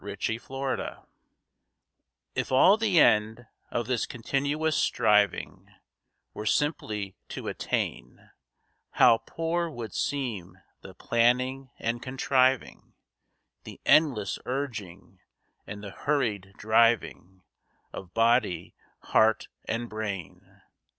AMBITION'S TRAIL If all the end of this continuous striving Were simply to attain, How poor would seem the planning and contriving, The endless urging and the hurried driving, Of body, heart, and brain!